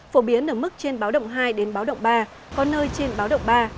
phổ biến ở mức trên báo động hai đến báo động ba có nơi trên báo động ba